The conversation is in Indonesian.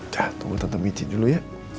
dah tunggu tante michi dulu ya